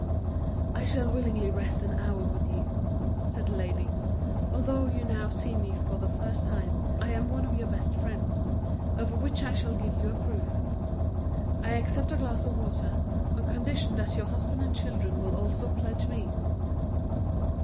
"I shall willingly rest an hour with you," said the lady. "Although you now see me for the first time, I am one of your best friends, of which I shall give you a proof. I accept a glass of water, on condition that your husband and children will also pledge me."